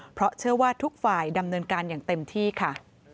เพราะเชื่อว่าทุกฝ่ายดำเนินการอย่างเต็มที่ค่ะ